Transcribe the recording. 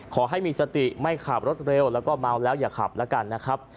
ขอให้มีสติไม่ขับรถเร็วแล้วก็เมาแล้วอย่าขับแล้วกันนะครับ